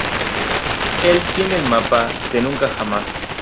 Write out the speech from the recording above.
Él tiene el mapa de Nunca Jamás.